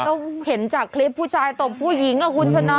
ก็เห็นจากพี่ชายตบผู้หญิงหรอคุณชนะ